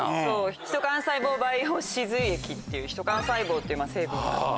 ヒト幹細胞培養歯髄液っていうヒト幹細胞っていう成分があって。